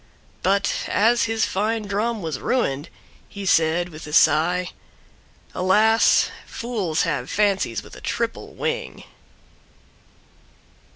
But as his fine Drum was ruined, he said, with a sigh, "Alas! Fools have fancies with a triple wing!"